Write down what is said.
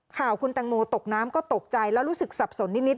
ข่าวคุณแตงโมตกน้ำก็ตกใจแล้วรู้สึกสับสนนิด